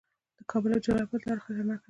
د کابل او جلال اباد لاره خطرناکه ده